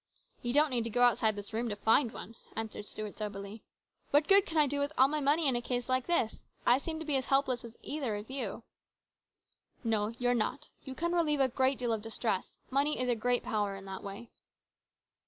" You don't need to go outside this room to find one," answered Stuart soberly. " What good can I COMPLICATIONS. 201 do with all my money in a case like this ? I seem to be as helpless as either of you." " No, you're not. You can relieve a great deal of distress. Money is a great power in that way."